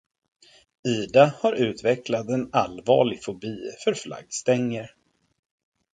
Ida har utvecklat en allvarlig fobi för flaggstänger.